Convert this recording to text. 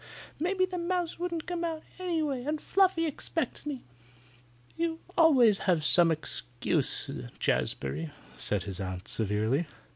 Maybe the mouse wouldn't come out anyway, and Fluffy expects me." "You always have some excuse, Jazbury," said his aunt, severely.